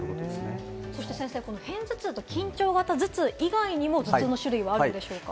片頭痛と緊張型頭痛以外にも頭痛の種類があるんでしょうか？